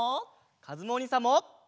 かずむおにいさんも！